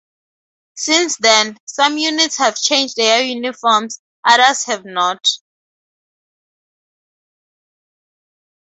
Since then, some units have changed their uniforms, others have not.